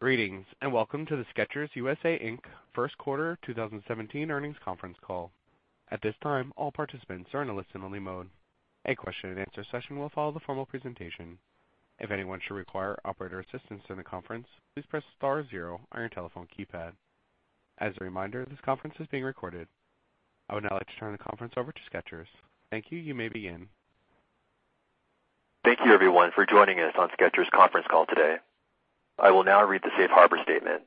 Greetings, and welcome to the Skechers U.S.A., Inc. First Quarter 2017 Earnings Conference Call. At this time, all participants are in a listen-only mode. A question-and-answer session will follow the formal presentation. If anyone should require operator assistance during the conference, please press star zero on your telephone keypad. As a reminder, this conference is being recorded. I would now like to turn the conference over to Skechers. Thank you. You may begin. Thank you, everyone, for joining us on Skechers conference call today. I will now read the safe harbor statement.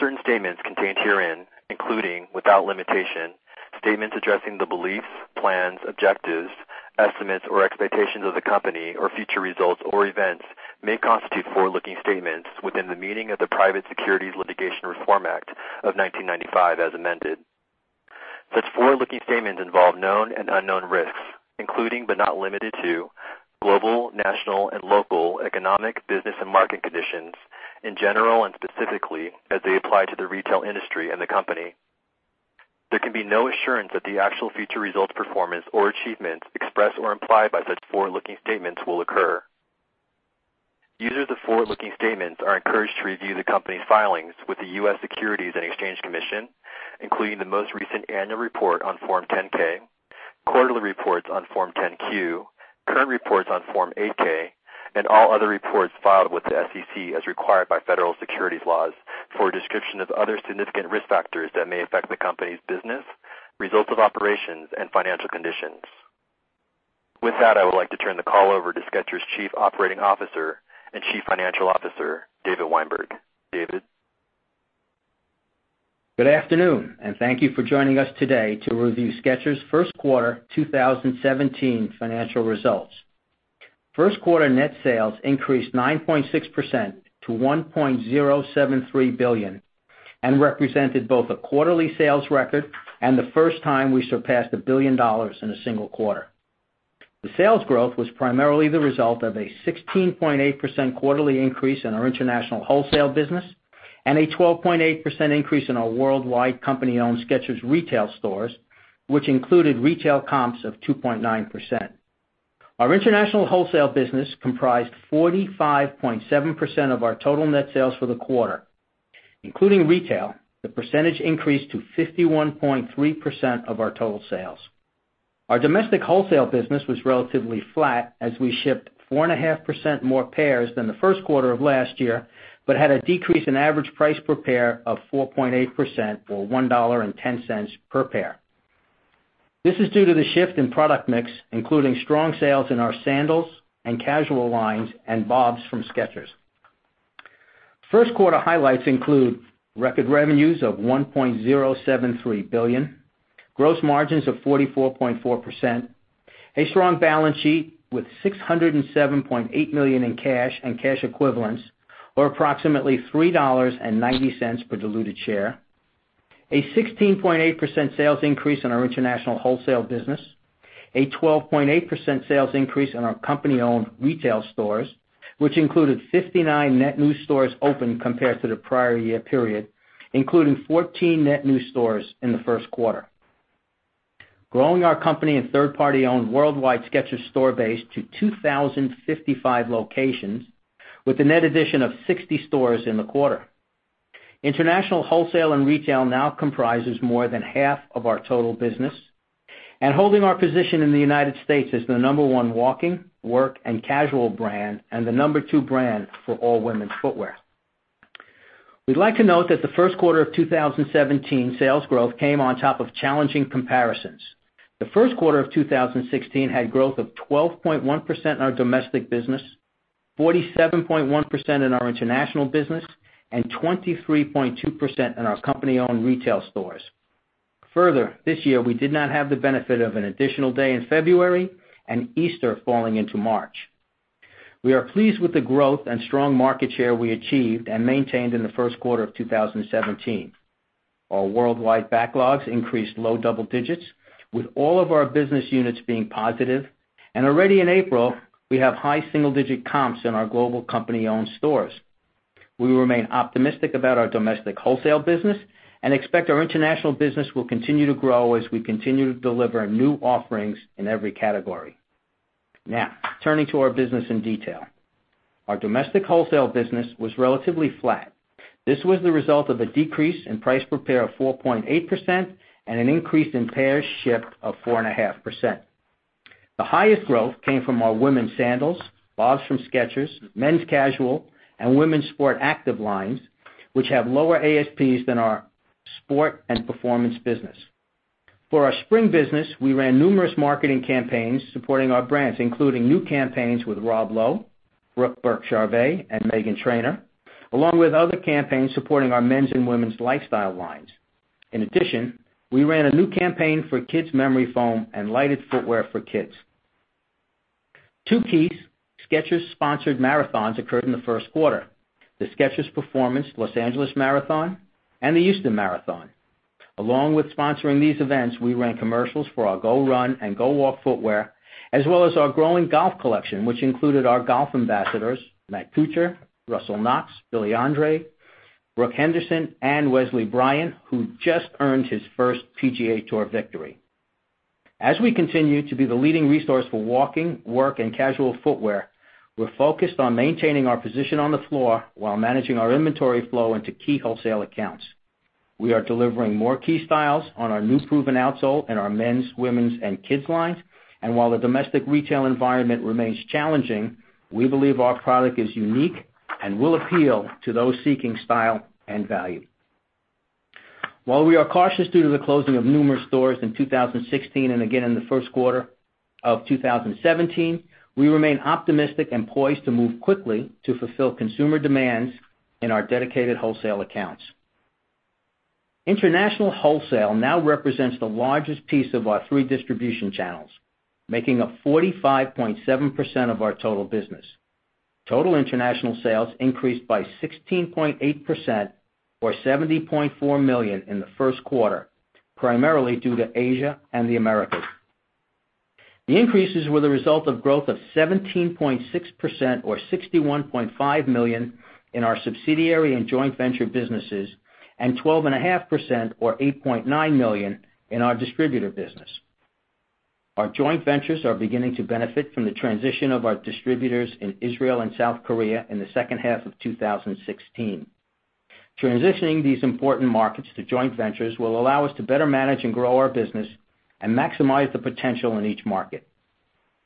Certain statements contained herein, including, without limitation, statements addressing the beliefs, plans, objectives, estimates, or expectations of the company or future results or events, may constitute forward-looking statements within the meaning of the Private Securities Litigation Reform Act of 1995 as amended. Such forward-looking statements involve known and unknown risks, including, but not limited to, global, national, and local economic, business, and market conditions in general and specifically as they apply to the retail industry and the company. There can be no assurance that the actual future results, performance, or achievements expressed or implied by such forward-looking statements will occur. Users of forward-looking statements are encouraged to review the company's filings with the U.S. Securities and Exchange Commission, including the most recent annual report on Form 10-K, quarterly reports on Form 10-Q, current reports on Form 8-K, and all other reports filed with the SEC as required by federal securities laws for a description of other significant risk factors that may affect the company's business, results of operations, and financial conditions. With that, I would like to turn the call over to Skechers Chief Operating Officer and Chief Financial Officer, David Weinberg. David? Good afternoon, and thank you for joining us today to review Skechers' first quarter 2017 financial results. First quarter net sales increased 9.6% to $1.073 billion and represented both a quarterly sales record and the first time we surpassed $1 billion in a single quarter. The sales growth was primarily the result of a 16.8% quarterly increase in our international wholesale business and a 12.8% increase in our worldwide company-owned Skechers retail stores, which included retail comps of 2.9%. Our international wholesale business comprised 45.7% of our total net sales for the quarter, including retail, the percentage increased to 51.3% of our total sales. Our domestic wholesale business was relatively flat as we shipped 4.5% more pairs than the first quarter of last year, but had a decrease in average price per pair of 4.8%, or $1.10 per pair. This is due to the shift in product mix, including strong sales in our sandals and casual lines, and BOBS from Skechers. First quarter highlights include record revenues of $1.073 billion, gross margins of 44.4%, a strong balance sheet with $607.8 million in cash and cash equivalents, or approximately $3.90 per diluted share. A 16.8% sales increase in our international wholesale business, a 12.8% sales increase in our company-owned retail stores, which included 59 net new stores open compared to the prior year period, including 14 net new stores in the first quarter. Growing our company and third party-owned worldwide Skechers store base to 2,055 locations with a net addition of 60 stores in the quarter. International wholesale and retail now comprises more than half of our total business and holding our position in the U.S. as the number one walking, work, and casual brand and the number two brand for all women's footwear. We'd like to note that the first quarter of 2017 sales growth came on top of challenging comparisons. The first quarter of 2016 had growth of 12.1% in our domestic business, 47.1% in our international business, and 23.2% in our company-owned retail stores. Further, this year, we did not have the benefit of an additional day in February and Easter falling into March. We are pleased with the growth and strong market share we achieved and maintained in the first quarter of 2017. Our worldwide backlogs increased low double digits with all of our business units being positive. Already in April, we have high single-digit comps in our global company-owned stores. We remain optimistic about our domestic wholesale business and expect our international business will continue to grow as we continue to deliver new offerings in every category. Now, turning to our business in detail. Our domestic wholesale business was relatively flat. This was the result of a decrease in price per pair of 4.8% and an increase in pairs shipped of 4.5%. The highest growth came from our women's sandals, BOBS from Skechers, men's casual, and women's Sport Active lines, which have lower ASPs than our sport and performance business. For our spring business, we ran numerous marketing campaigns supporting our brands, including new campaigns with Rob Lowe, Brooke Burke-Charvet, and Meghan Trainor, along with other campaigns supporting our men's and women's lifestyle lines. In addition, we ran a new campaign for kids' Memory Foam and lighted footwear for kids. Two key Skechers-sponsored marathons occurred in the first quarter, the Skechers Performance Los Angeles Marathon and the Houston Marathon. Along with sponsoring these events, we ran commercials for our GOrun and GOwalk footwear, as well as our growing golf collection, which included our golf ambassadors Matt Kuchar, Russell Knox, Billy Andrade, Brooke Henderson, and Wesley Bryan, who just earned his first PGA Tour victory. As we continue to be the leading resource for walking, work, and casual footwear, we're focused on maintaining our position on the floor while managing our inventory flow into key wholesale accounts. We are delivering more key styles on our new proven outsole in our men's, women's, and kids' lines. While the domestic retail environment remains challenging, we believe our product is unique and will appeal to those seeking style and value. While we are cautious due to the closing of numerous stores in 2016 and again in the first quarter of 2017, we remain optimistic and poised to move quickly to fulfill consumer demands in our dedicated wholesale accounts. International wholesale now represents the largest piece of our three distribution channels, making up 45.7% of our total business. Total international sales increased by 16.8%, or $70.4 million in the first quarter, primarily due to Asia and the Americas. The increases were the result of growth of 17.6%, or $61.5 million in our subsidiary and joint venture businesses, and 12.5%, or $8.9 million in our distributor business. Our joint ventures are beginning to benefit from the transition of our distributors in Israel and South Korea in the second half of 2016. Transitioning these important markets to joint ventures will allow us to better manage and grow our business and maximize the potential in each market.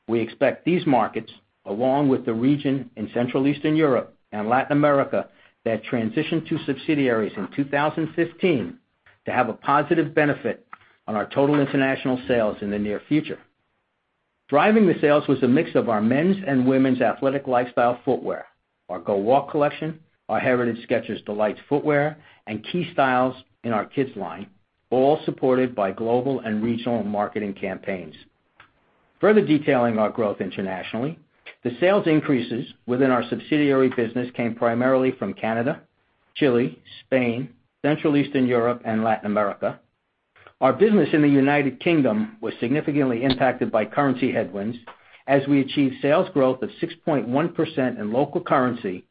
We expect these markets, along with the region in Central Eastern Europe and Latin America, that transitioned to subsidiaries in 2015, to have a positive benefit on our total international sales in the near future. Driving the sales was a mix of our men's and women's athletic lifestyle footwear, our GOwalk collection, our heritage Skechers D'Lites footwear, and key styles in our kids line, all supported by global and regional marketing campaigns. Further detailing our growth internationally, the sales increases within our subsidiary business came primarily from Canada, Chile, Spain, Central Eastern Europe, and Latin America. Our business in the U.K. was significantly impacted by currency headwinds as we achieved sales growth of 6.1% in local currency,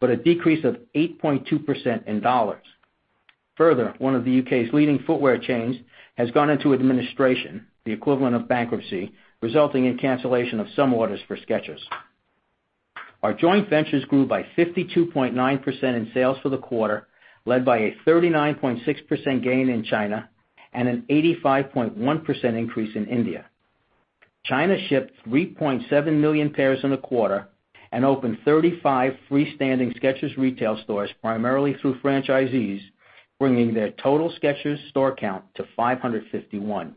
but a decrease of 8.2% in USD. Further, one of the U.K.'s leading footwear chains has gone into administration, the equivalent of bankruptcy, resulting in cancellation of some orders for Skechers. Our joint ventures grew by 52.9% in sales for the quarter, led by a 39.6% gain in China and an 85.1% increase in India. China shipped 3.7 million pairs in the quarter and opened 35 freestanding Skechers retail stores primarily through franchisees, bringing their total Skechers store count to 551.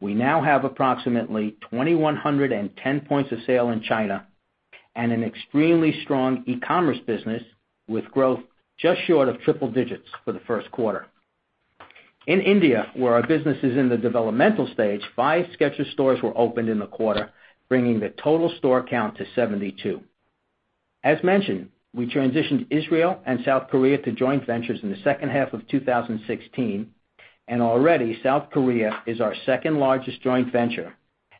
We now have approximately 2,110 points of sale in China and an extremely strong e-commerce business with growth just short of triple digits for the first quarter. In India, where our business is in the developmental stage, five Skechers stores were opened in the quarter, bringing the total store count to 72. As mentioned, we transitioned Israel and South Korea to joint ventures in the second half of 2016, and already South Korea is our second-largest joint venture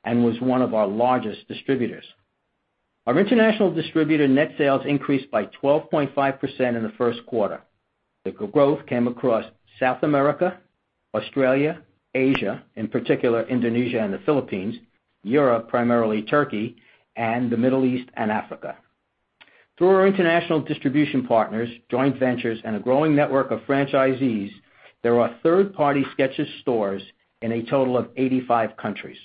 and was one of our largest distributors. Our international distributor net sales increased by 12.5% in the first quarter. The growth came across South America, Australia, Asia, in particular Indonesia and the Philippines, Europe, primarily Turkey, and the Middle East and Africa. Through our international distribution partners, joint ventures, and a growing network of franchisees, there are third-party Skechers stores in a total of 85 countries.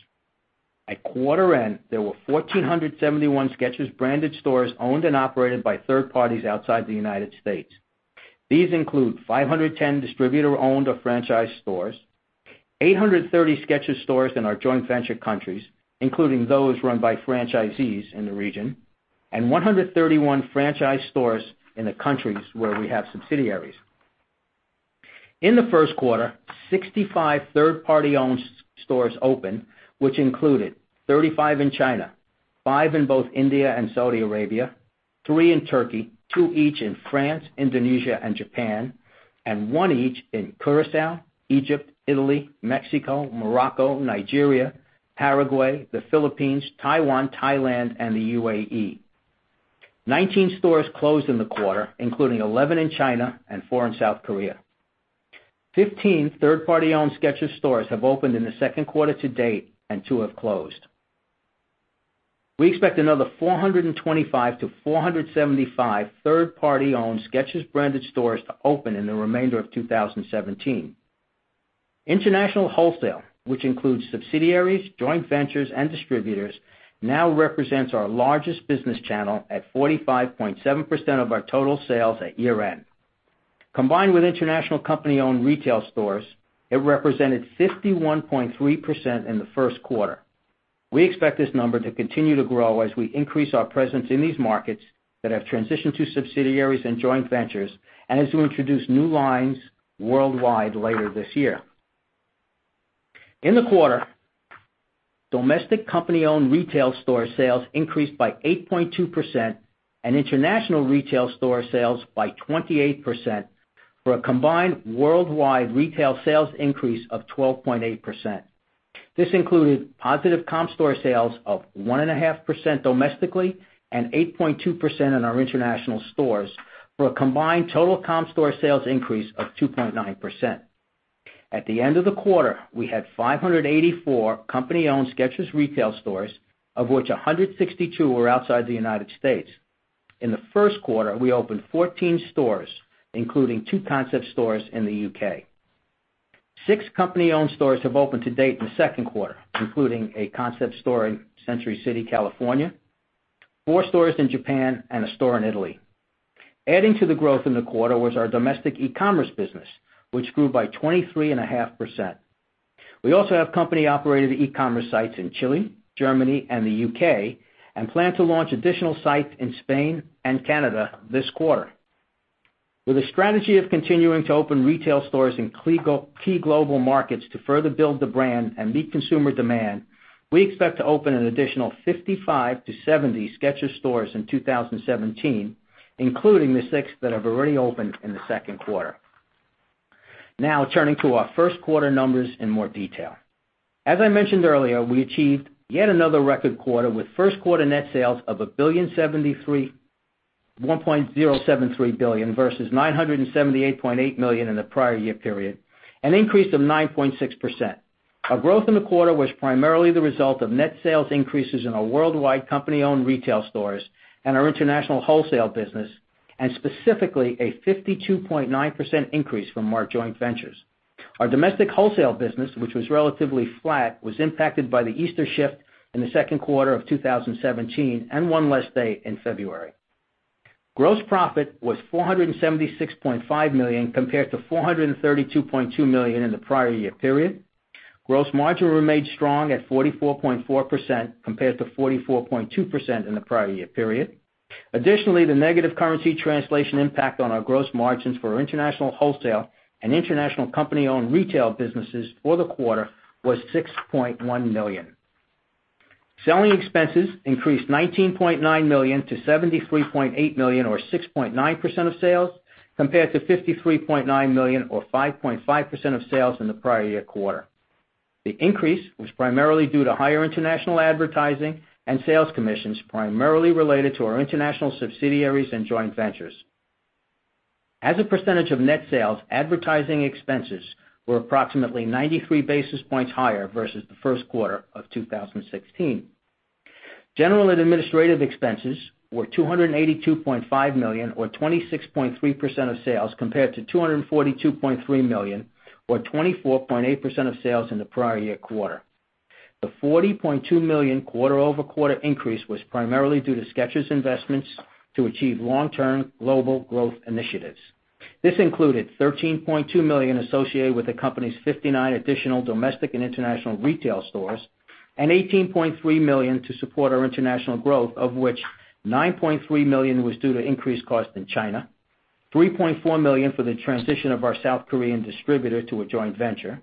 At quarter end, there were 1,471 Skechers-branded stores owned and operated by third parties outside the U.S. These include 510 distributor-owned or franchised stores, 830 Skechers stores in our joint venture countries, including those run by franchisees in the region, and 131 franchise stores in the countries where we have subsidiaries. In the first quarter, 65 third-party owned stores opened, which included 35 in China, five in both India and Saudi Arabia, three in Turkey, two each in France, Indonesia, and Japan, and one each in Curaçao, Egypt, Italy, Mexico, Morocco, Nigeria, Paraguay, the Philippines, Taiwan, Thailand, and the UAE. Nineteen stores closed in the quarter, including 11 in China and four in South Korea. Fifteen third-party owned Skechers stores have opened in the second quarter to date, and two have closed. We expect another 425 to 475 third-party owned Skechers-branded stores to open in the remainder of 2017. International wholesale, which includes subsidiaries, joint ventures, and distributors, now represents our largest business channel at 45.7% of our total sales at year-end. Combined with international company-owned retail stores, it represented 51.3% in the first quarter. We expect this number to continue to grow as we increase our presence in these markets that have transitioned to subsidiaries and joint ventures and as we introduce new lines worldwide later this year. In the quarter, domestic company-owned retail store sales increased by 8.2% and international retail store sales by 28%, for a combined worldwide retail sales increase of 12.8%. This included positive comp store sales of 1.5% domestically and 8.2% in our international stores, for a combined total comp store sales increase of 2.9%. At the end of the quarter, we had 584 company-owned Skechers retail stores, of which 162 were outside the U.S. In the first quarter, we opened 14 stores, including two concept stores in the U.K. Six company-owned stores have opened to date in the second quarter, including a concept store in Century City, California, four stores in Japan, and a store in Italy. Adding to the growth in the quarter was our domestic e-commerce business, which grew by 23.5%. We also have company-operated e-commerce sites in Chile, Germany, and the U.K., and plan to launch additional sites in Spain and Canada this quarter. With a strategy of continuing to open retail stores in key global markets to further build the brand and meet consumer demand, we expect to open an additional 55 to 70 Skechers stores in 2017, including the six that have already opened in the second quarter. Now turning to our first quarter numbers in more detail. As I mentioned earlier, we achieved yet another record quarter with first quarter net sales of $1.073 billion, versus $978.8 million in the prior year period, an increase of 9.6%. Our growth in the quarter was primarily the result of net sales increases in our worldwide company-owned retail stores and our international wholesale business, and specifically, a 52.9% increase from our joint ventures. Our domestic wholesale business, which was relatively flat, was impacted by the Easter shift in the second quarter of 2017 and one less day in February. Gross profit was $476.5 million compared to $432.2 million in the prior year period. Gross margin remained strong at 44.4% compared to 44.2% in the prior year period. Additionally, the negative currency translation impact on our gross margins for our international wholesale and international company-owned retail businesses for the quarter was $6.1 million. Selling expenses increased $19.9 million to $73.8 million or 6.9% of sales, compared to $53.9 million or 5.5% of sales in the prior-year quarter. The increase was primarily due to higher international advertising and sales commissions, primarily related to our international subsidiaries and joint ventures. As a percentage of net sales, advertising expenses were approximately 93 basis points higher versus the first quarter of 2016. General and administrative expenses were $282.5 million or 26.3% of sales, compared to $242.3 million or 24.8% of sales in the prior-year quarter. The $40.2 million quarter-over-quarter increase was primarily due to Skechers' investments to achieve long-term global growth initiatives. This included $13.2 million associated with the company's 59 additional domestic and international retail stores and $18.3 million to support our international growth, of which $9.3 million was due to increased cost in China, $3.4 million for the transition of our South Korean distributor to a joint venture,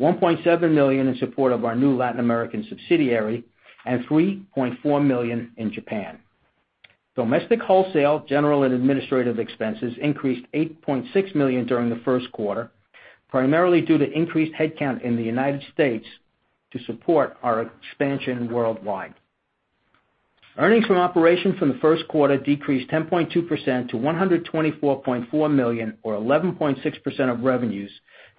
$1.7 million in support of our new Latin American subsidiary, and $3.4 million in Japan. Domestic wholesale, general and administrative expenses increased $8.6 million during the first quarter, primarily due to increased headcount in the U.S. to support our expansion worldwide. Earnings from operations from the first quarter decreased 10.2% to $124.4 million or 11.6% of revenues,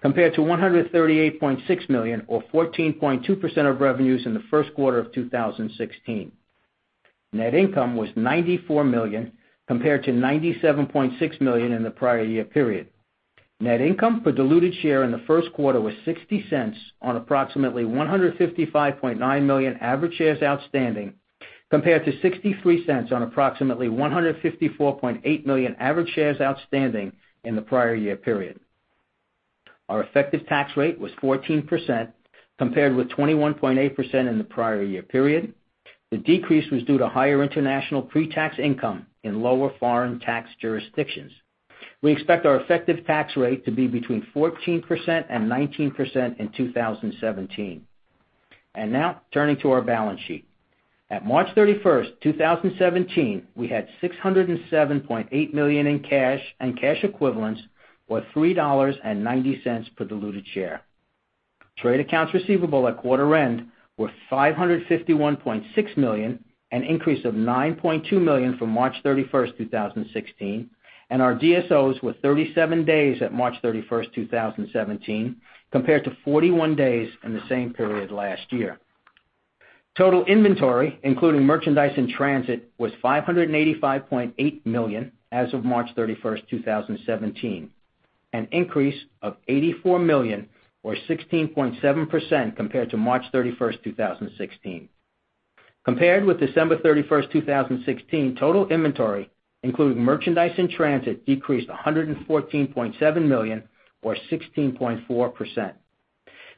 compared to $138.6 million or 14.2% of revenues in the first quarter of 2016. Net income was $94 million compared to $97.6 million in the prior-year period. Net income per diluted share in the first quarter was $0.60 on approximately 155.9 million average shares outstanding, compared to $0.63 on approximately 154.8 million average shares outstanding in the prior-year period. Our effective tax rate was 14%, compared with 21.8% in the prior-year period. The decrease was due to higher international pre-tax income in lower foreign tax jurisdictions. We expect our effective tax rate to be between 14% and 19% in 2017. Now turning to our balance sheet. At March 31st, 2017, we had $607.8 million in cash and cash equivalents or $3.90 per diluted share. Trade accounts receivable at quarter end were $551.6 million, an increase of $9.2 million from March 31st, 2016, and our DSOs were 37 days at March 31st, 2017 compared to 41 days in the same period last year. Total inventory, including merchandise in transit, was $585.8 million as of March 31st, 2017, an increase of $84 million or 16.7% compared to March 31st, 2016. Compared with December 31st, 2016, total inventory, including merchandise in transit, decreased $114.7 million or 16.4%.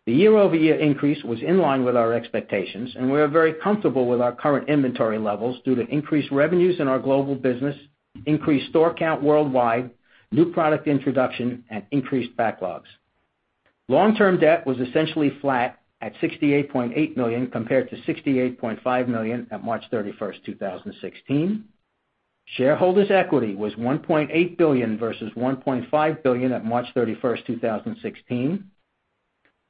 The year-over-year increase was in line with our expectations, and we are very comfortable with our current inventory levels due to increased revenues in our global business, increased store count worldwide, new product introduction, and increased backlogs. Long-term debt was essentially flat at $68.8 million compared to $68.5 million at March 31st, 2016. Shareholders' equity was $1.8 billion versus $1.5 billion at March 31st, 2016.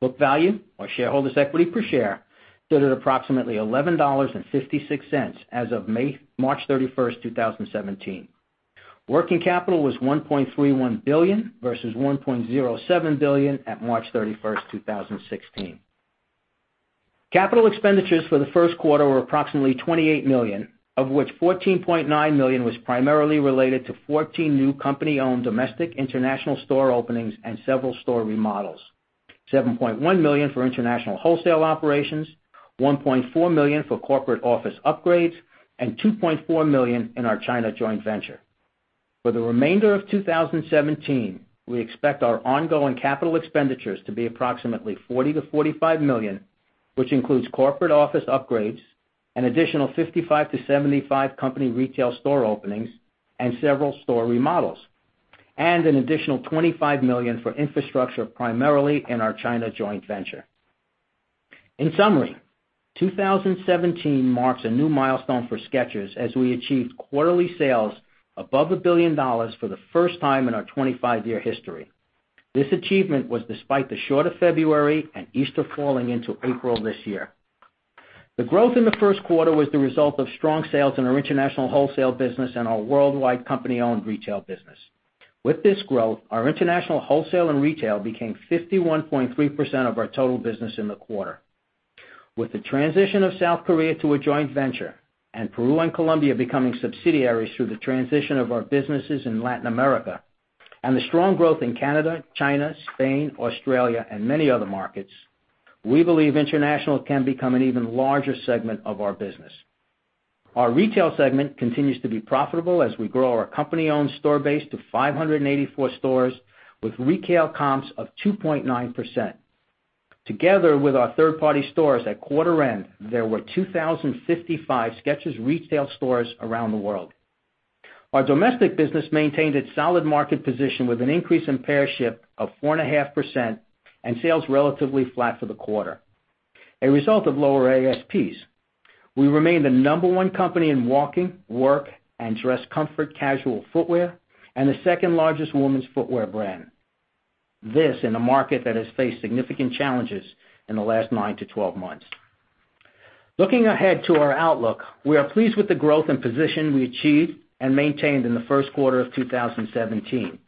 Book value or shareholders' equity per share stood at approximately $11.56 as of March 31st, 2017. Working capital was $1.31 billion, versus $1.07 billion at March 31st, 2016. Capital expenditures for the first quarter were approximately $28 million, of which $14.9 million was primarily related to 14 new company-owned domestic international store openings and several store remodels. $7.1 million for international wholesale operations, $1.4 million for corporate office upgrades, and $2.4 million in our China joint venture. For the remainder of 2017, we expect our ongoing capital expenditures to be approximately $40 million-$45 million, which includes corporate office upgrades, an additional 55-75 company retail store openings, and several store remodels, and an additional $25 million for infrastructure, primarily in our China joint venture. In summary, 2017 marks a new milestone for Skechers as we achieved quarterly sales above $1 billion for the first time in our 25-year history. This achievement was despite the short of February and Easter falling into April this year. The growth in the first quarter was the result of strong sales in our international wholesale business and our worldwide company-owned retail business. With this growth, our international wholesale and retail became 51.3% of our total business in the quarter. With the transition of South Korea to a joint venture, Peru and Colombia becoming subsidiaries through the transition of our businesses in Latin America, and the strong growth in Canada, China, Spain, Australia, and many other markets, we believe international can become an even larger segment of our business. Our retail segment continues to be profitable as we grow our company-owned store base to 584 stores, with retail comps of 2.9%. Together with our third-party stores at quarter end, there were 2,055 Skechers retail stores around the world. Our domestic business maintained its solid market position with an increase in pair shipped of 4.5% and sales relatively flat for the quarter, a result of lower ASPs. We remain the number one company in walking, work, and dress comfort casual footwear, and the second largest woman's footwear brand. This, in a market that has faced significant challenges in the last 9-12 months. Looking ahead to our outlook, we are pleased with the growth and position we achieved and maintained in the first quarter of 2017.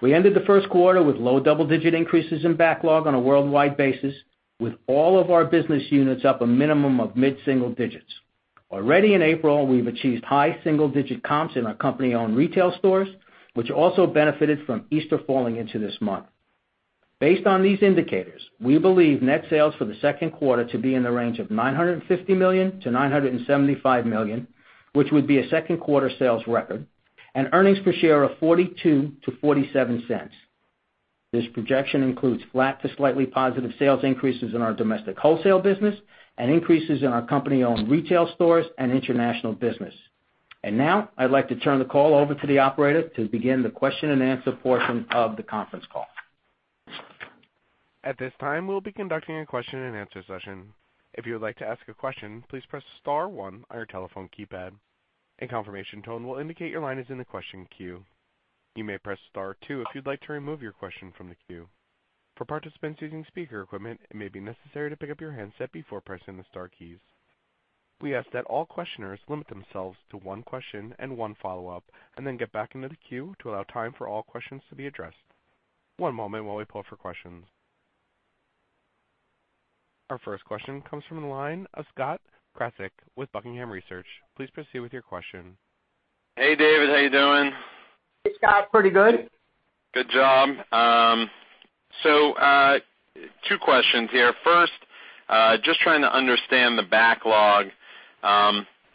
We ended the first quarter with low double-digit increases in backlog on a worldwide basis, with all of our business units up a minimum of mid-single digits. Already in April, we've achieved high single-digit comps in our company-owned retail stores, which also benefited from Easter falling into this month. Based on these indicators, we believe net sales for the second quarter to be in the range of $950 million-$975 million, which would be a second quarter sales record, and earnings per share of $0.42-$0.47. This projection includes flat to slightly positive sales increases in our domestic wholesale business and increases in our company-owned retail stores and international business. Now, I'd like to turn the call over to the operator to begin the question and answer portion of the conference call. At this time, we'll be conducting a question and answer session. If you would like to ask a question, please press *1 on your telephone keypad. A confirmation tone will indicate your line is in the question queue. You may press *2 if you'd like to remove your question from the queue. For participants using speaker equipment, it may be necessary to pick up your handset before pressing the star keys. We ask that all questioners limit themselves to one question and one follow-up, then get back into the queue to allow time for all questions to be addressed. One moment while we pull for questions. Our first question comes from the line of Scott Crabtree with Buckingham Research. Please proceed with your question. Hey, David. How are you doing? Hey, Scott. Pretty good. Good job. Two questions here. First, just trying to understand the backlog.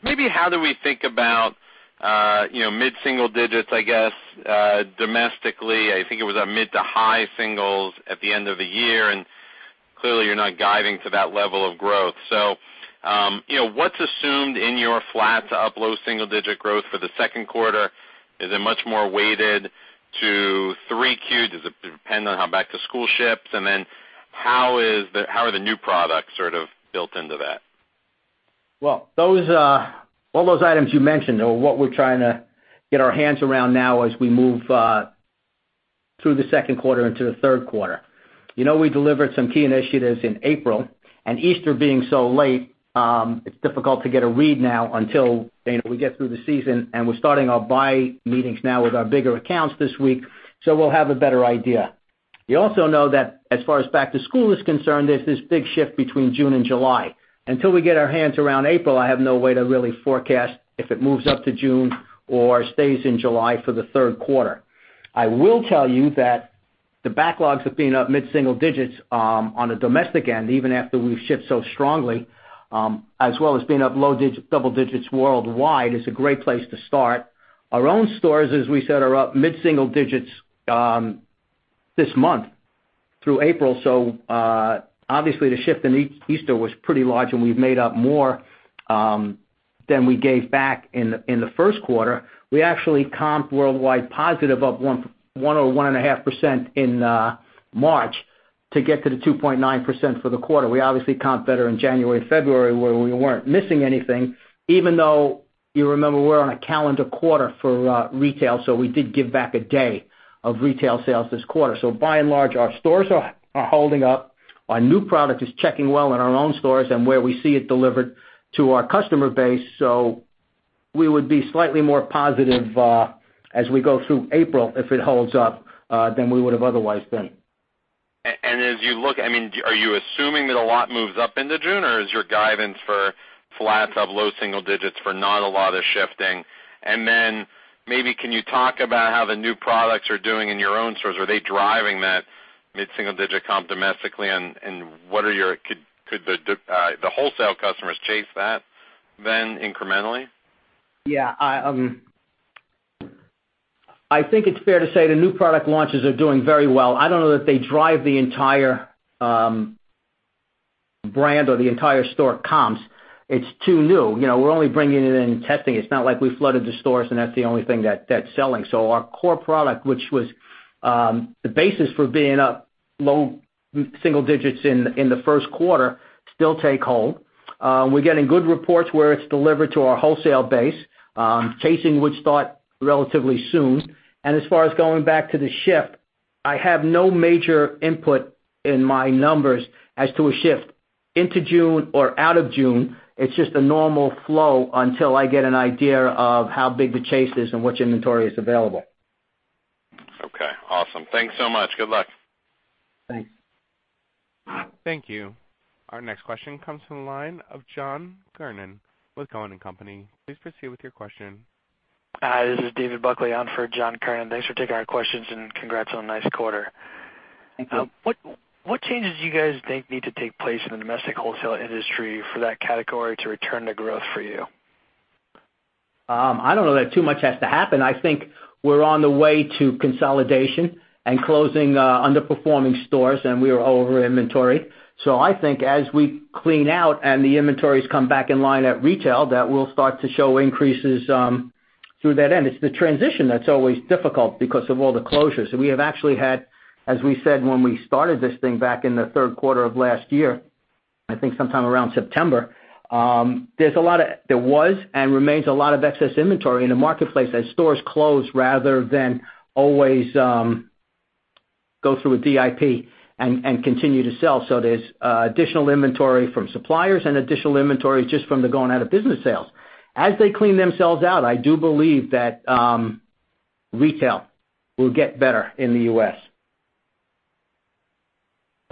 Maybe how do we think about mid-single digits, I guess, domestically. I think it was a mid to high singles at the end of the year, and clearly, you're not guiding to that level of growth. What's assumed in your flat to up low single digit growth for the second quarter? Is it much more weighted to 3Q? Does it depend on how back to school ships? How are the new products sort of built into that? Well, all those items you mentioned are what we're trying to get our hands around now as we move through the second quarter into the third quarter. We delivered some key initiatives in April. Easter being so late, it's difficult to get a read now until we get through the season. We're starting our buy meetings now with our bigger accounts this week, so we'll have a better idea. You also know that as far as back to school is concerned, there's this big shift between June and July. Until we get our hands around April, I have no way to really forecast if it moves up to June or stays in July for the third quarter. I will tell you that the backlogs have been up mid-single digits on the domestic end, even after we've shipped so strongly, as well as being up low double digits worldwide is a great place to start. Our own stores, as we said, are up mid-single digits this month through April, so obviously the shift in Easter was pretty large, and we've made up more than we gave back in the first quarter. We actually comped worldwide positive up 1% or 1.5% in March to get to the 2.9% for the quarter. We obviously comped better in January, February where we weren't missing anything, even though you remember we're on a calendar quarter for retail, so we did give back a day of retail sales this quarter. By and large, our stores are holding up. Our new product is checking well in our own stores and where we see it delivered to our customer base. We would be slightly more positive as we go through April if it holds up, than we would have otherwise been. As you look, are you assuming that a lot moves up into June, or is your guidance for flats of low single digits for not a lot of shifting? Maybe can you talk about how the new products are doing in your own stores? Are they driving that mid-single-digit comp domestically, and could the wholesale customers chase that then incrementally? Yeah. I think it's fair to say the new product launches are doing very well. I don't know that they drive the entire brand or the entire store comps. It's too new. We're only bringing it in and testing. It's not like we flooded the stores, and that's the only thing that's selling. Our core product, which was the basis for being up low single digits in the first quarter, still take hold. We're getting good reports where it's delivered to our wholesale base. Chasing would start relatively soon. As far as going back to the shift, I have no major input in my numbers as to a shift into June or out of June. It's just a normal flow until I get an idea of how big the chase is and which inventory is available. Okay, awesome. Thanks so much. Good luck. Thanks. Thank you. Our next question comes from the line of John Kernan with Cowen and Company. Please proceed with your question. Hi, this is David Buckley on for John Kernan. Thanks for taking our questions and congrats on a nice quarter. Thank you. What changes do you guys think need to take place in the domestic wholesale industry for that category to return to growth for you? I don't know that too much has to happen. I think we're on the way to consolidation and closing underperforming stores, and we are over inventory. I think as we clean out and the inventories come back in line at retail, that will start to show increases through that end. It's the transition that's always difficult because of all the closures. We have actually had, as we said when we started this thing back in the third quarter of last year, I think sometime around September, there was and remains a lot of excess inventory in the marketplace as stores close rather than always go through a DIP and continue to sell. There's additional inventory from suppliers and additional inventory just from the going-out-of-business sales. As they clean themselves out, I do believe that retail will get better in the U.S.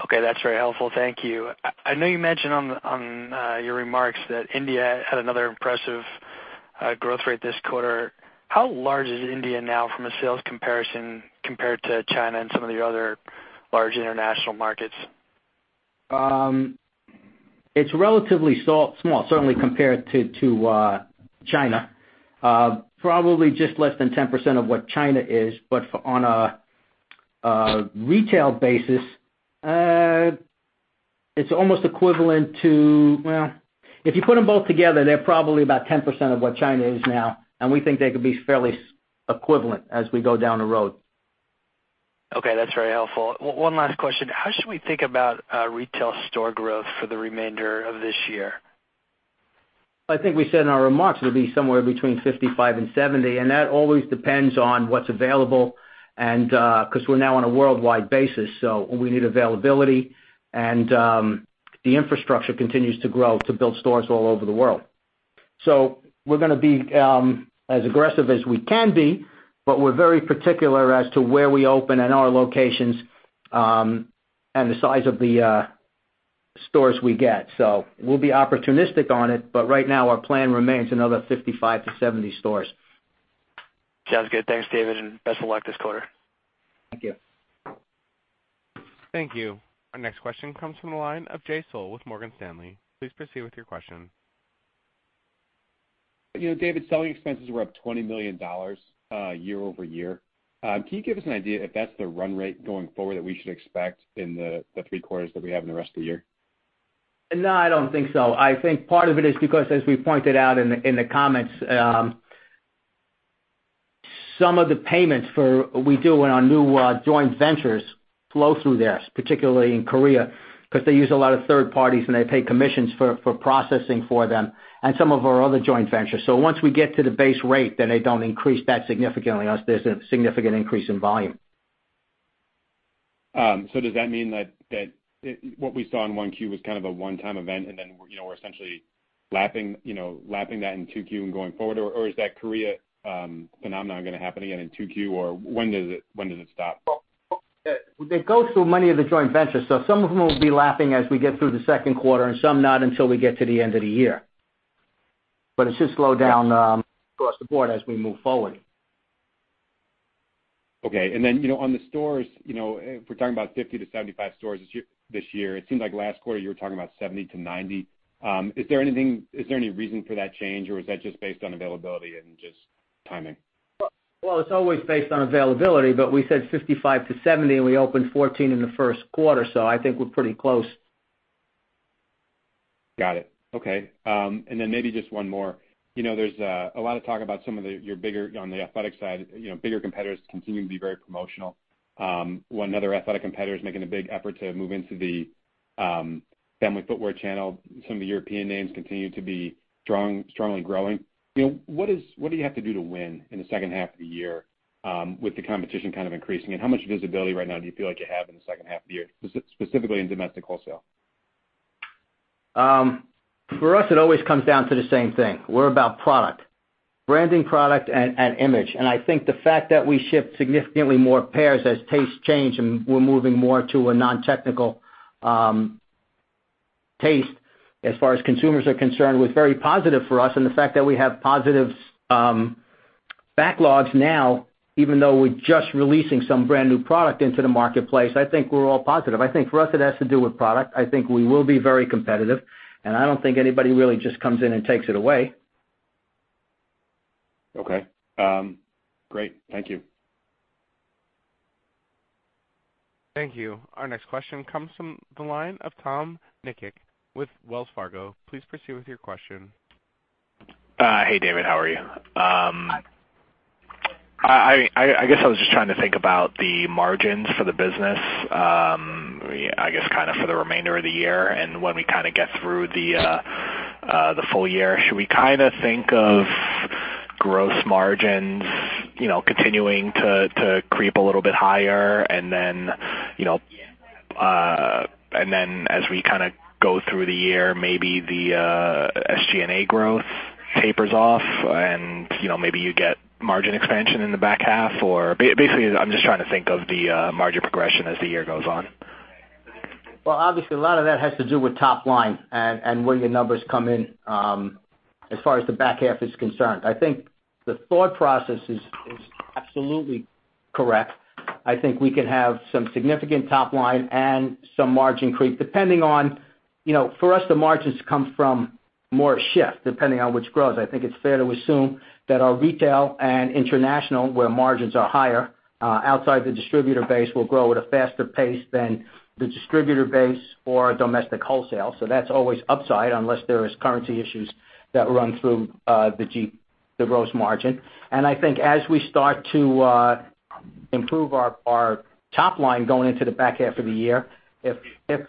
Okay, that's very helpful. Thank you. I know you mentioned on your remarks that India had another impressive growth rate this quarter. How large is India now from a sales comparison compared to China and some of the other large international markets? It's relatively small, certainly compared to China. Probably just less than 10% of what China is, but on a retail basis, it's almost equivalent to Well, if you put them both together, they're probably about 10% of what China is now, and we think they could be fairly equivalent as we go down the road. Okay, that's very helpful. One last question. How should we think about retail store growth for the remainder of this year? I think we said in our remarks it'll be somewhere between 55 and 70, and that always depends on what's available because we're now on a worldwide basis, so we need availability, and the infrastructure continues to grow to build stores all over the world. We're going to be as aggressive as we can be, but we're very particular as to where we open and our locations, and the size of the stores we get. We'll be opportunistic on it, but right now, our plan remains another 55 to 70 stores. Sounds good. Thanks, David, and best of luck this quarter. Thank you. Thank you. Our next question comes from the line of Jay Sole with Morgan Stanley. Please proceed with your question. David, selling expenses were up $20 million year-over-year. Can you give us an idea if that's the run rate going forward that we should expect in the three quarters that we have in the rest of the year? No, I don't think so. I think part of it is because, as we pointed out in the comments, some of the payments we do in our new joint ventures flow through there, particularly in Korea, because they use a lot of third parties, and they pay commissions for processing for them and some of our other joint ventures. Once we get to the base rate, then they don't increase that significantly unless there's a significant increase in volume. Does that mean that what we saw in 1Q was kind of a one-time event and then we're essentially lapping that in 2Q and going forward, or is that Korea phenomenon going to happen again in 2Q, or when does it stop? It goes through many of the joint ventures. Some of them will be lapping as we get through the second quarter and some not until we get to the end of the year. It's just slowed down across the board as we move forward. Okay. On the stores, if we're talking about 50-75 stores this year, it seems like last quarter you were talking about 70-90. Is there any reason for that change, or is that just based on availability and just timing? Well, it's always based on availability, but we said 55-70, and we opened 14 in the first quarter, so I think we're pretty close. Got it. Okay. Maybe just one more. There's a lot of talk about some of your bigger, on the athletic side, bigger competitors continuing to be very promotional. One other athletic competitor is making a big effort to move into the family footwear channel. Some of the European names continue to be strongly growing. What do you have to do to win in the second half of the year with the competition kind of increasing, and how much visibility right now do you feel like you have in the second half of the year, specifically in domestic wholesale? For us, it always comes down to the same thing. We're about product. Branding product and image. I think the fact that we ship significantly more pairs as tastes change, and we're moving more to a non-technical taste, as far as consumers are concerned, was very positive for us. The fact that we have positive backlogs now, even though we're just releasing some brand new product into the marketplace, I think we're all positive. I think for us, it has to do with product. I think we will be very competitive, and I don't think anybody really just comes in and takes it away. Okay. Great. Thank you. Thank you. Our next question comes from the line of Tom Nikic with Wells Fargo. Please proceed with your question. Hey, David. How are you? I guess I was just trying to think about the margins for the business, I guess for the remainder of the year, and when we get through the full year. Should we think of gross margins continuing to creep a little bit higher, then as we go through the year, maybe the SG&A growth tapers off and maybe you get margin expansion in the back half? Basically, I'm just trying to think of the margin progression as the year goes on. Well, obviously, a lot of that has to do with top line and where your numbers come in, as far as the back half is concerned. I think the thought process is absolutely correct. I think we can have some significant top line and some margin creep, depending on, for us, the margins come from more shift, depending on which grows. I think it's fair to assume that our retail and international, where margins are higher, outside the distributor base, will grow at a faster pace than the distributor base or domestic wholesale. That's always upside, unless there is currency issues that run through the gross margin. I think as we start to improve our top line going into the back half of the year, if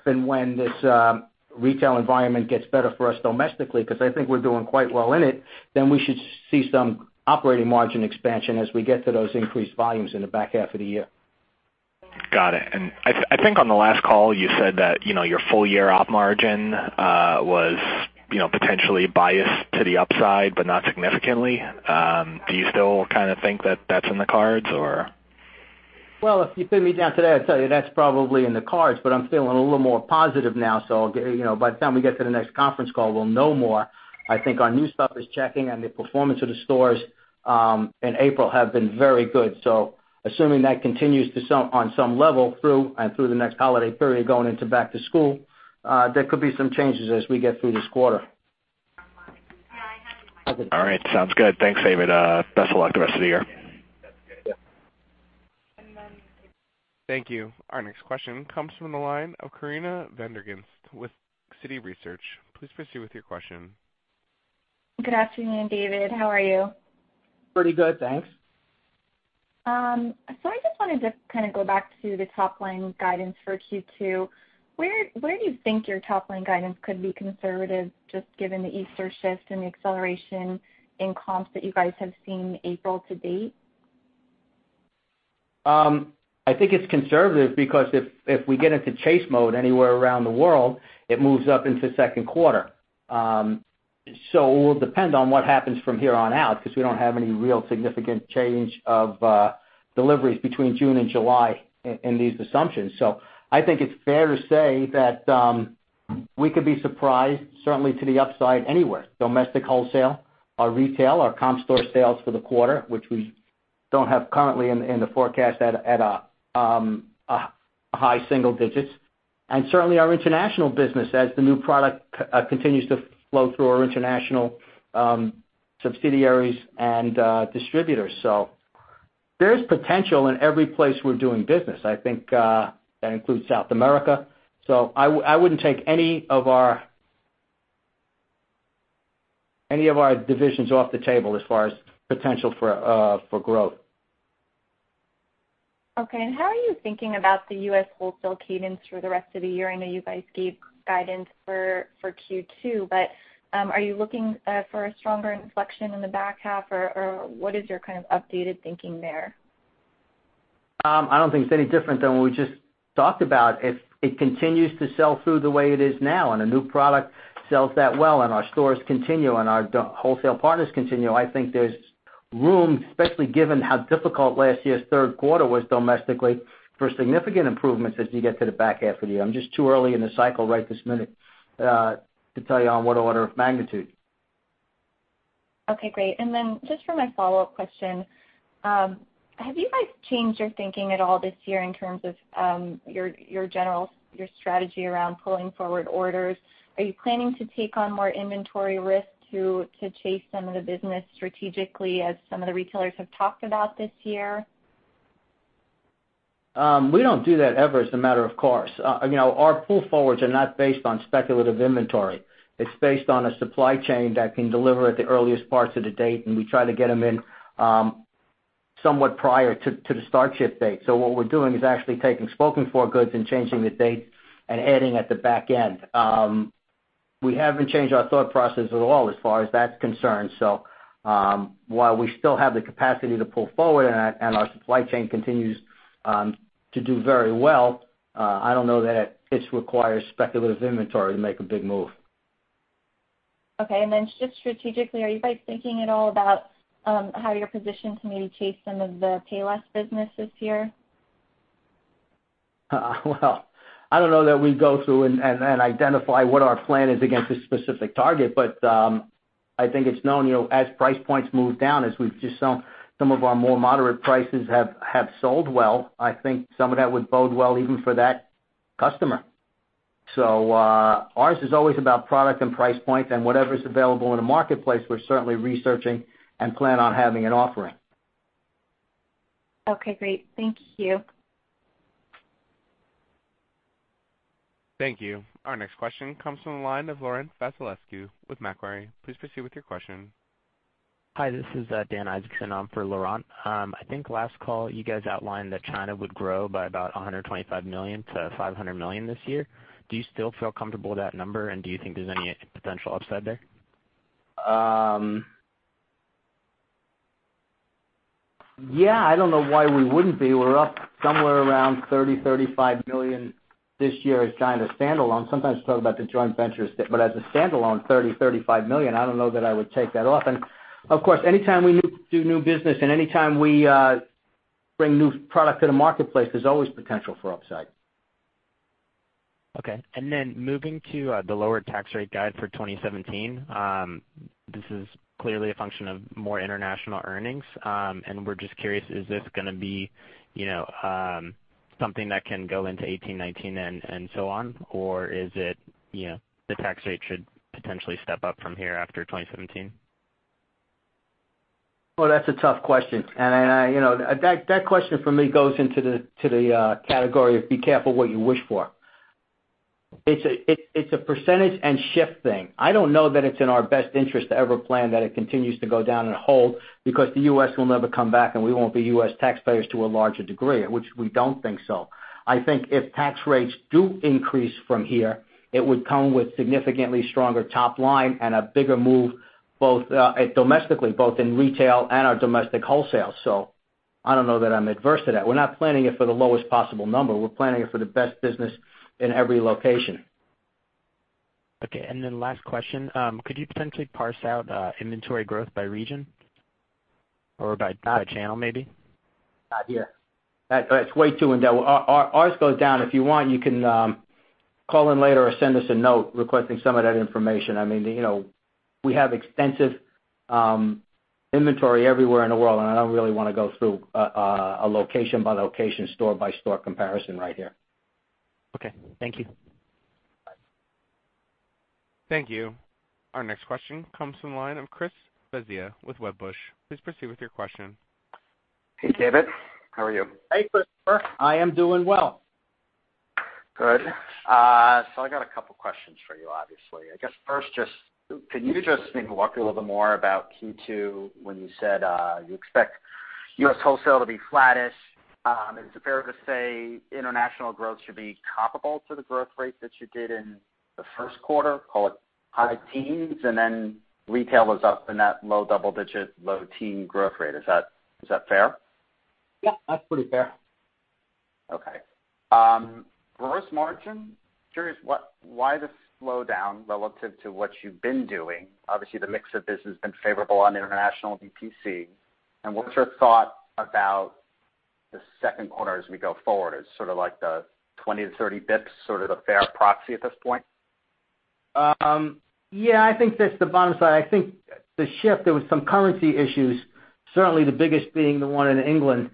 and when this retail environment gets better for us domestically, because I think we're doing quite well in it, then we should see some operating margin expansion as we get to those increased volumes in the back half of the year. Got it. I think on the last call, you said that your full year operating margin was potentially biased to the upside, but not significantly. Do you still think that that's in the cards or? If you pin me down today, I'd tell you that's probably in the cards, but I'm feeling a little more positive now. By the time we get to the next conference call, we'll know more. I think our new stuff is checking, and the performance of the stores in April have been very good. Assuming that continues on some level through and through the next holiday period going into back to school, there could be some changes as we get through this quarter. All right. Sounds good. Thanks, David. Best of luck the rest of the year. Thank you. Our next question comes from the line of Corinna van der Ghinst with Citi Research. Please proceed with your question. Good afternoon, David. How are you? Pretty good, thanks. I just wanted to kind of go back to the top-line guidance for Q2. Where do you think your top-line guidance could be conservative, just given the Easter shift and the acceleration in comps that you guys have seen April to date? I think it's conservative because if we get into chase mode anywhere around the world, it moves up into second quarter. It will depend on what happens from here on out because we don't have any real significant change of deliveries between June and July in these assumptions. I think it's fair to say that we could be surprised, certainly to the upside anywhere. Domestic wholesale or retail or comp store sales for the quarter, which we don't have currently in the forecast at a high single digits. And certainly our international business as the new product continues to flow through our international subsidiaries and distributors. There is potential in every place we're doing business. I think that includes South America. I wouldn't take any of our divisions off the table as far as potential for growth. Okay. How are you thinking about the U.S. wholesale cadence through the rest of the year? I know you guys gave guidance for Q2, are you looking for a stronger inflection in the back half, or what is your kind of updated thinking there? I don't think it's any different than what we just talked about. If it continues to sell through the way it is now, and a new product sells that well, and our stores continue, and our wholesale partners continue, I think there's room, especially given how difficult last year's third quarter was domestically, for significant improvements as we get to the back half of the year. I'm just too early in the cycle right this minute to tell you on what order of magnitude. Okay, great. Just for my follow-up question, have you guys changed your thinking at all this year in terms of your strategy around pulling forward orders? Are you planning to take on more inventory risk to chase some of the business strategically, as some of the retailers have talked about this year? We don't do that ever as a matter of course. Our pull forwards are not based on speculative inventory. It's based on a supply chain that can deliver at the earliest parts of the date, and we try to get them in somewhat prior to the start ship date. What we're doing is actually taking spoken for goods and changing the date and adding at the back end. We haven't changed our thought process at all as far as that's concerned. While we still have the capacity to pull forward and our supply chain continues to do very well, I don't know that it requires speculative inventory to make a big move. Okay. Just strategically, are you guys thinking at all about how you're positioned to maybe chase some of the Payless businesses here? I don't know that we go through and identify what our plan is against a specific target. I think it's known, as price points move down, as we've just shown, some of our more moderate prices have sold well. I think some of that would bode well even for that customer. Ours is always about product and price point, and whatever's available in the marketplace, we're certainly researching and plan on having and offering. Okay, great. Thank you. Thank you. Our next question comes from the line of Laurent Vasilescu with Macquarie. Please proceed with your question. Hi, this is Dan Isaacson. I'm for Laurent. I think last call, you guys outlined that China would grow by about $125 million to $500 million this year. Do you still feel comfortable with that number, and do you think there's any potential upside there? Yeah. I don't know why we wouldn't be. We're up somewhere around $30 million-$35 million this year as China standalone. Sometimes we talk about the joint ventures, but as a standalone, $30 million-$35 million, I don't know that I would take that off. Of course, anytime we do new business and anytime we bring new product to the marketplace, there's always potential for upside. Okay. Moving to the lower tax rate guide for 2017. This is clearly a function of more international earnings. We're just curious, is this going to be something that can go into 2018, 2019 and so on? Or is it the tax rate should potentially step up from here after 2017? Well, that's a tough question. That question for me goes into the category of be careful what you wish for. It's a percentage and shift thing. I don't know that it's in our best interest to ever plan that it continues to go down and hold because the U.S. will never come back and we won't be U.S. taxpayers to a larger degree, which we don't think so. I think if tax rates do increase from here, it would come with significantly stronger top line and a bigger move, both domestically, both in retail and our domestic wholesale. I don't know that I'm adverse to that. We're not planning it for the lowest possible number. We're planning it for the best business in every location. Okay, last question. Could you potentially parse out inventory growth by region or by channel, maybe? Not here. That's way too in-depth. Ours goes down. If you want, you can call in later or send us a note requesting some of that information. We have extensive inventory everywhere in the world. I don't really want to go through a location-by-location, store-by-store comparison right here. Okay. Thank you. Bye. Thank you. Our next question comes from the line of Christopher Svezia with Wedbush. Please proceed with your question. Hey, David. How are you? Hey, Christopher. I am doing well. Good. I got a couple questions for you, obviously. I guess first, can you just maybe walk a little more about Q2 when you said you expect U.S. wholesale to be flattish? Is it fair to say international growth should be comparable to the growth rate that you did in the first quarter, call it high teens, and then retail is up in that low double digit, low teen growth rate? Is that fair? Yeah, that's pretty fair. Okay. Gross margin, curious why the slowdown relative to what you've been doing. Obviously, the mix of business has been favorable on international DTC. What's your thought about the second quarter as we go forward as sort of like the 20 to 30 basis points, sort of a fair proxy at this point? Yeah, I think that's the bottom side. I think the shift, there was some currency issues, certainly the biggest being the one in England,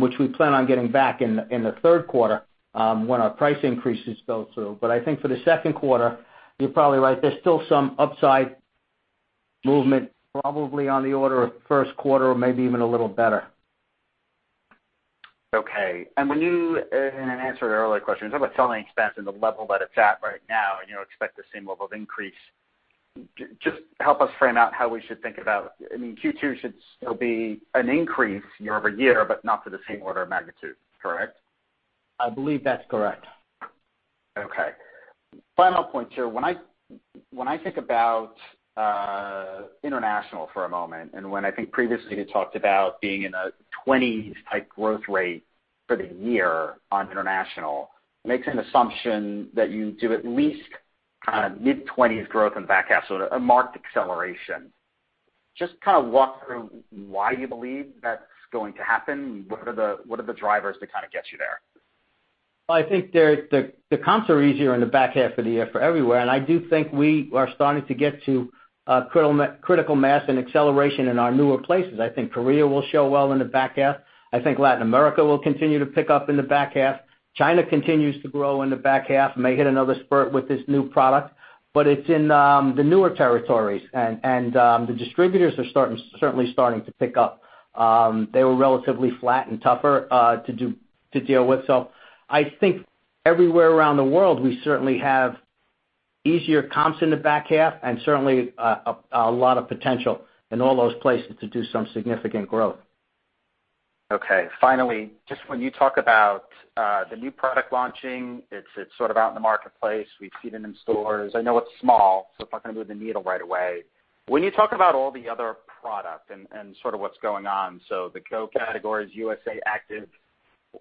which we plan on getting back in the third quarter, when our price increases go through. I think for the second quarter, you're probably right. There's still some upside movement, probably on the order of first quarter or maybe even a little better. Okay. When you, in an answer to earlier questions, talk about selling expense and the level that it's at right now, and you expect the same level of increase. Just help us frame out how we should think about I mean, Q2 should still be an increase year-over-year, but not to the same order of magnitude, correct? I believe that's correct. Okay. Final point here. When I think about international for a moment, when I think previously you talked about being in a 20s type growth rate for the year on international, makes an assumption that you do at least kind of mid-20s growth in the back half, so a marked acceleration. Just kind of walk through why you believe that's going to happen. What are the drivers to kind of get you there? Well, I think the comps are easier in the back half of the year for everywhere, I do think we are starting to get to critical mass and acceleration in our newer places. I think Korea will show well in the back half. I think Latin America will continue to pick up in the back half. China continues to grow in the back half, may hit another spurt with this new product. It's in the newer territories, and the distributors are certainly starting to pick up. They were relatively flat and tougher to deal with. I think everywhere around the world, we certainly have easier comps in the back half and certainly a lot of potential in all those places to do some significant growth. Okay. Finally, just when you talk about the new product launching, it's sort of out in the marketplace. We've seen it in stores. I know it's small, so it's not going to move the needle right away. When you talk about all the other product and sort of what's going on, the GO categories, USA Active,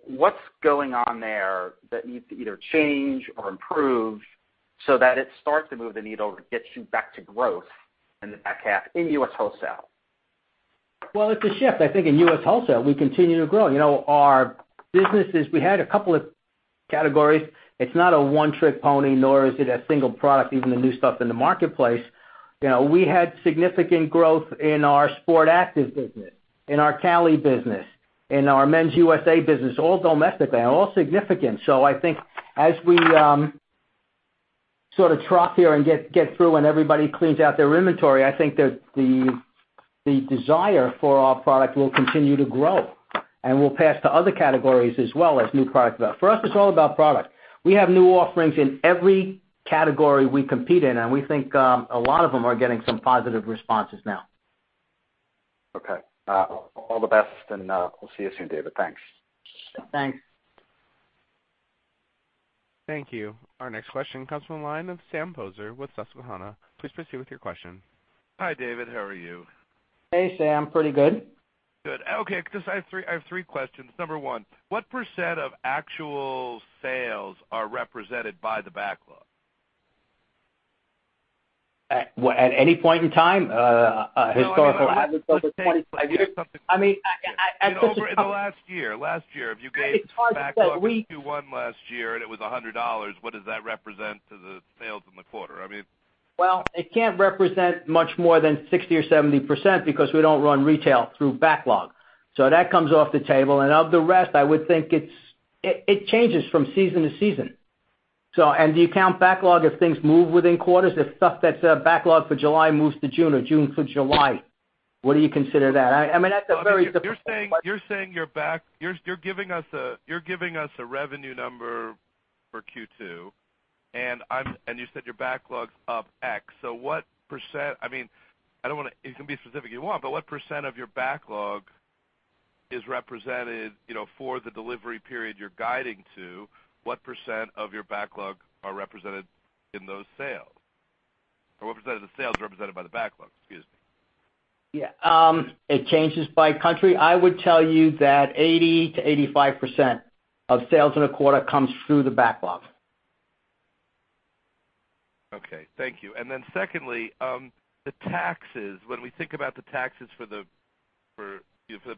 what's going on there that needs to either change or improve so that it starts to move the needle to get you back to growth in the back half in U.S. wholesale? Well, it's a shift. I think in U.S. wholesale, we continue to grow. Our businesses, we had a couple of categories. It's not a one-trick pony, nor is it a single product, even the new stuff in the marketplace. We had significant growth in our Sport Active business, in our Cali business, in our Men's USA business, all domestic and all significant. I think as we sort of trough here and get through and everybody cleans out their inventory, I think that the desire for our product will continue to grow, and we'll pass to other categories as well as new products. For us, it's all about product. We have new offerings in every category we compete in, and we think a lot of them are getting some positive responses now. Okay. All the best, we'll see you soon, David. Thanks. Thanks. Thank you. Our next question comes from the line of Sam Poser with Susquehanna. Please proceed with your question. Hi, David. How are you? Hey, Sam. Pretty good. Good. Okay, because I have three questions. Number one, what % of actual sales are represented by the backlog? At any point in time? A historical average over years? I mean. Over the last year. Last year, if you. It's hard to say. backlog Q1 last year and it was $100, what does that represent to the sales in the quarter? I mean. Well, it can't represent much more than 60% or 70% because we don't run retail through backlog. That comes off the table. Of the rest, I would think it changes from season to season. Do you count backlog if things move within quarters? If stuff that's backlog for July moves to June or June for July, what do you consider that? I mean, that's a very difficult question. You're saying You're giving us a revenue number for Q2, and you said your backlog's up X. What %, I mean, you can be as specific you want, but what % of your backlog is represented for the delivery period you're guiding to, what % of your backlog are represented in those sales? What % of the sales are represented by the backlog, excuse me. Yeah. It changes by country. I would tell you that 80% to 85% of sales in a quarter comes through the backlog. Okay. Thank you. Secondly, the taxes. When we think about the taxes for the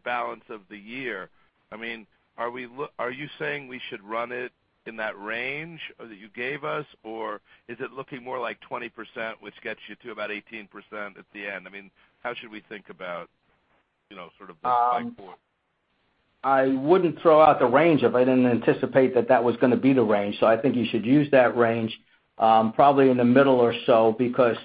balance of the year, I mean, are you saying we should run it in that range that you gave us, or is it looking more like 20%, which gets you to about 18% at the end? I mean, how should we think about sort of this going forward? I wouldn't throw out the range if I didn't anticipate that that was going to be the range. I think you should use that range, probably in the middle or so, because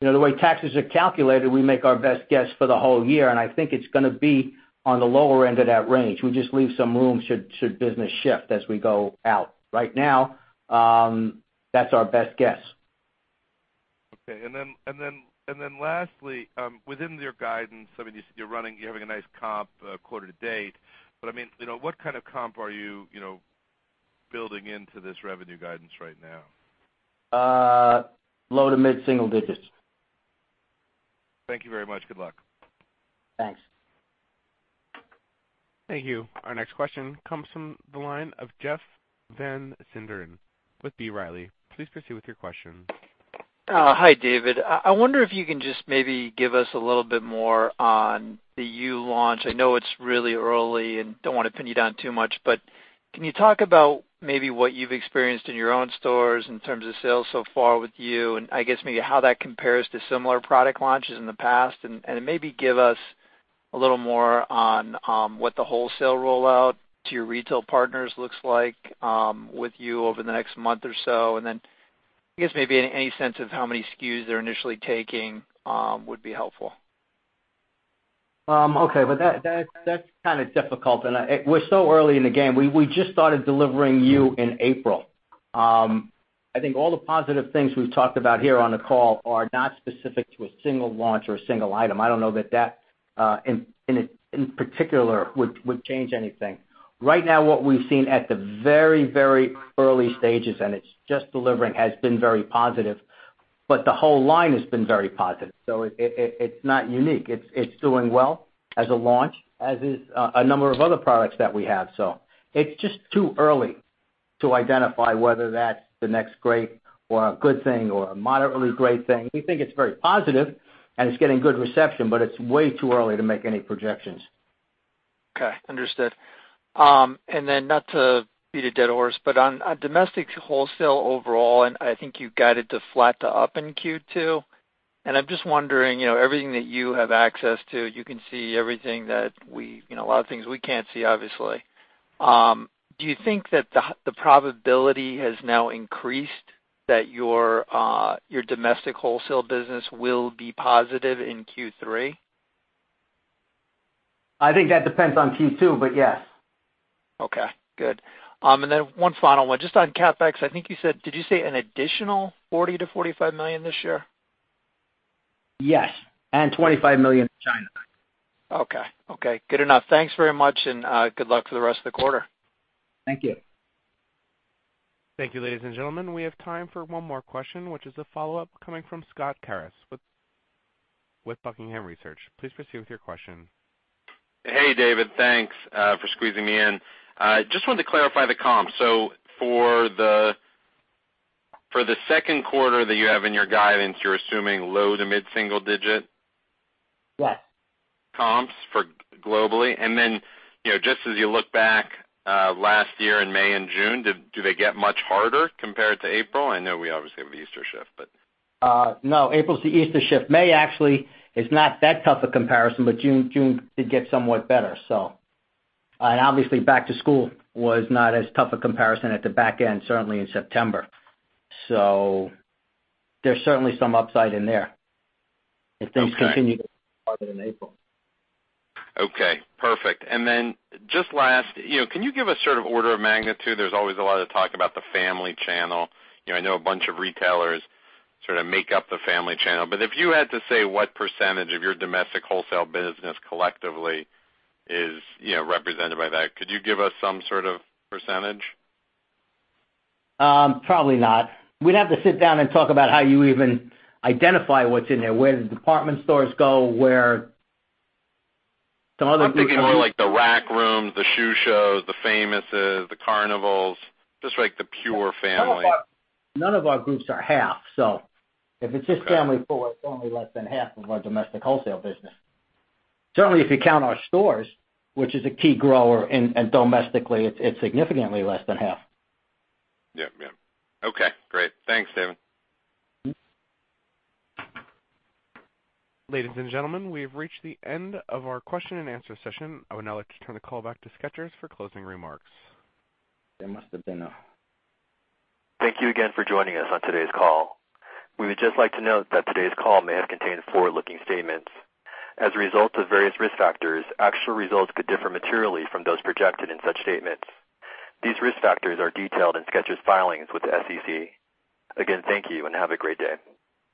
the way taxes are calculated, we make our best guess for the whole year, and I think it's going to be on the lower end of that range. We just leave some room should business shift as we go out. Right now, that's our best guess. Okay. Lastly, within your guidance, I mean, you're having a nice comp quarter to date, but, I mean, what kind of comp are you building into this revenue guidance right now? Low to mid single digits. Thank you very much. Good luck. Thanks. Thank you. Our next question comes from the line of Jeff Van Sinderen with B. Riley. Please proceed with your question. Hi, David. I wonder if you can just maybe give us a little bit more on the YOU launch. I know it's really early and don't want to pin you down too much, but can you talk about maybe what you've experienced in your own stores in terms of sales so far with YOU, and I guess maybe how that compares to similar product launches in the past? Maybe give us a little more on what the wholesale rollout to your retail partners looks like, with YOU over the next month or so. Then I guess maybe any sense of how many SKUs they're initially taking would be helpful. Okay. That's kind of difficult, We're so early in the game. We just started delivering YOU in April. I think all the positive things we've talked about here on the call are not specific to a single launch or a single item. I don't know that, in particular, would change anything. Right now, what we've seen at the very early stages, It's just delivering, has been very positive. The whole line has been very positive. It's not unique. It's doing well as a launch, as is a number of other products that we have. It's just too early to identify whether that's the next great or a good thing or a moderately great thing. We think it's very positive, and it's getting good reception, but it's way too early to make any projections. Okay. Understood. Then not to beat a dead horse, On domestic wholesale overall, I think you guided to flat to up in Q2, I'm just wondering, everything that you have access to, you can see everything that a lot of things we can't see, obviously. Do you think that the probability has now increased that your domestic wholesale business will be positive in Q3? I think that depends on Q2, but yes. Okay, good. Then one final one, just on CapEx, I think you said, did you say an additional $40 million-$45 million this year? Yes, $25 million in China. Okay. Good enough. Thanks very much. Good luck for the rest of the quarter. Thank you. Thank you, ladies and gentlemen. We have time for one more question, which is a follow-up coming from Scott Krasik with Buckingham Research. Please proceed with your question. Hey, David. Thanks for squeezing me in. Just wanted to clarify the comps. For the second quarter that you have in your guidance, you're assuming low to mid single digit? Yes. Comps for globally, just as you look back last year in May and June, do they get much harder compared to April? I know we obviously have the Easter shift. April's the Easter shift. May actually is not that tough a comparison. June did get somewhat better. Obviously back to school was not as tough a comparison at the back end, certainly in September. There's certainly some upside in there if things continue harder than April. Okay, perfect. Just last, can you give a sort of order of magnitude? There's always a lot of talk about the family channel. I know a bunch of retailers sort of make up the family channel. If you had to say what percentage of your domestic wholesale business collectively is represented by that, could you give us some sort of percentage? Probably not. We'd have to sit down and talk about how you even identify what's in there, where the department stores go, where some other things. I'm thinking more like the Rack Room Shoes, the Shoe Show, the Famous Footwear, the Shoe Carnival, just like the pure family. None of our groups are half, so if it's just family full, it's only less than half of our domestic wholesale business. Certainly, if you count our stores, which is a key grower, and domestically, it's significantly less than half. Yeah. Okay, great. Thanks, David. Ladies and gentlemen, we have reached the end of our question and answer session. I would now like to turn the call back to Skechers for closing remarks. That must have been enough. Thank you again for joining us on today's call. We would just like to note that today's call may have contained forward-looking statements. As a result of various risk factors, actual results could differ materially from those projected in such statements. These risk factors are detailed in Skechers' filings with the SEC. Again, thank you and have a great day.